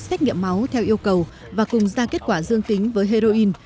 xét nghiệm máu theo yêu cầu và cùng ra kết quả dương tính với heroin